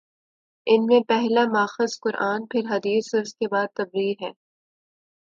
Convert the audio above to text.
ان میں پہلا ماخذ قرآن، پھر حدیث اور اس کے بعد طبری ہیں۔